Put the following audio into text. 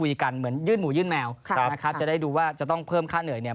ยื่นหมูยื่นแมวจะได้ดูว่าจะต้องเพิ่มค่าเหนื่อย